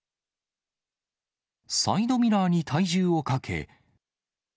サイドミラーに体重をかけ。